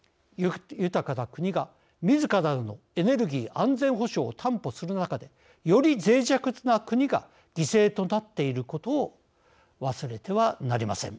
豊かな国が、みずからのエネルギー安全保障を担保する中でより、ぜい弱な国が犠牲となっていることを忘れてはなりません。